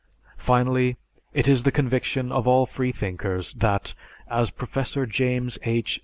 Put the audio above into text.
Finally, it is the conviction of all freethinkers that, as Professor James H.